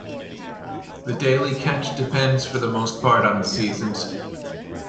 The daily catch depends for the most part on the seasons.